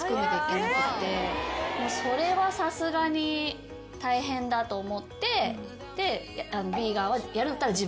それはさすがに大変だと思ってで。